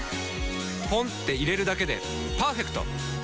ポンって入れるだけでパーフェクト！